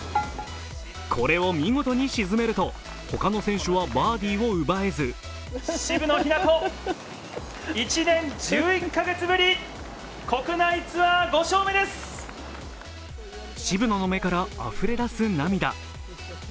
これを見事に沈めると、他の選手はバーディーを奪えず渋野の目からあふれ出す、涙。